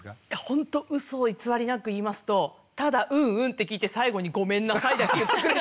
ほんとうそ偽りなく言いますとただ「うんうん」って聞いて最後に「ごめんなさい」だけ言って。